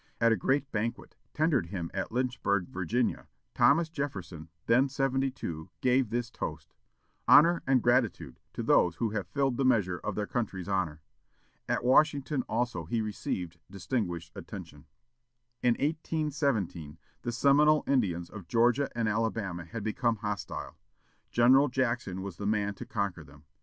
At a great banquet tendered him at Lynchburg, Virginia, Thomas Jefferson, then seventy two, gave this toast: "Honor and gratitude to those who have filled the measure of their country's honor." At Washington also he received distinguished attention. In 1817, the Seminole Indians of Georgia and Alabama had become hostile. General Jackson was the man to conquer them.